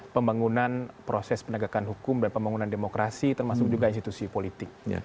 pembangunan proses penegakan hukum dan pembangunan demokrasi termasuk juga institusi politik